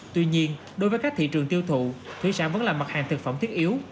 tuy nhiên đối với các thị trường tiêu thụ thủy sản vẫn là mặt hàng thực phẩm thiết yếu